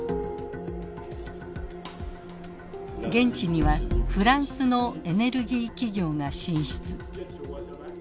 現地にはフランスのエネルギー企業が進出。